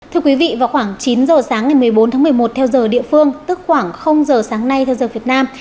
thưa quý vị vào khoảng chín giờ sáng ngày một mươi bốn tháng một mươi một theo giờ địa phương tức khoảng giờ sáng nay theo giờ việt nam